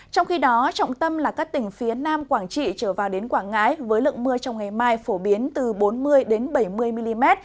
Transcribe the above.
trong khi đó trọng tâm là các tỉnh phía nam quảng trị trở vào đến quảng ngãi với lượng mưa trong ngày mai phổ biến từ bốn mươi bảy mươi mm